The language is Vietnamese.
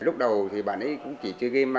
lúc đầu thì bạn ấy cũng chỉ chơi game